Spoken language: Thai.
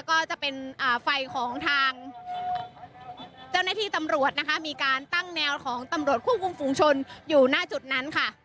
ก็จะเป็นไฟของทางเจ้าหน้าที่ตำรวจนะคะมีการตั้งแนวของตำรวจควบคุมฝูงชนอยู่หน้าจุดนั้นค่ะ